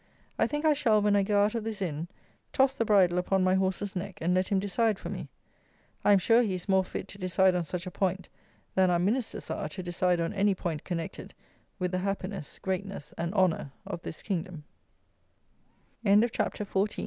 I think I shall, when I go out of this Inn, toss the bridle upon my horse's neck, and let him decide for me. I am sure he is more fit to decide on such a point than our Ministers are to decide on any point connected with the happiness, greatness, and ho